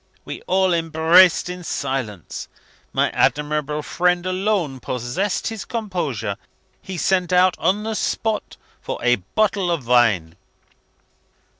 We all embraced in silence. My admirable friend alone possessed his composure. He sent out, on the spot, for a bottle of wine."